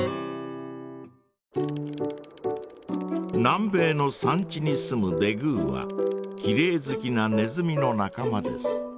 南米の山地に住むデグーはきれい好きなネズミの仲間です。